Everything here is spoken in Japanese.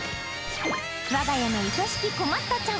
我が家の愛しき困ったチャン。